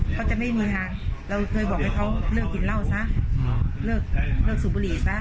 เขาจะไม่มีงานเราเคยบอกให้เขาเลิกกินเหล้าซะเลิกเลิกสูบบุหรี่ซะ